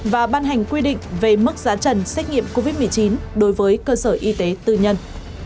và ban hành quy định về mức giá trần xét nghiệm covid một mươi chín đối với cơ sở y tế tư nhân